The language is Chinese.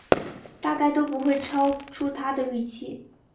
大概都不会超出他的预期